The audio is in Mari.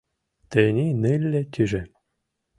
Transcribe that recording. Тений нылле тӱжем...